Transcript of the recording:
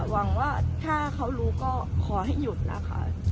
หวังว่าถ้าเขารู้ก็ขอให้หยุดแล้วค่ะ